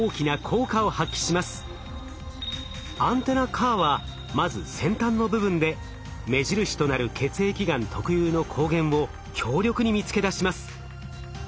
アンテナＣＡＲはまず先端の部分で目印となる血液がん特有の抗原を強力に見つけ出します。